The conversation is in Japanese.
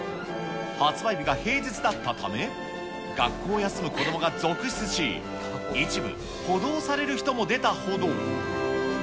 発売日が平日だったため、学校を休む子どもが続出し、一部、補導される人も出たほど。